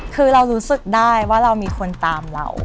คือเรารู้สึกได้ว่าเรามีคนตามเรา